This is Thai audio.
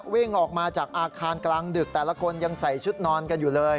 วิ่งออกมาจากอาคารกลางดึกแต่ละคนยังใส่ชุดนอนกันอยู่เลย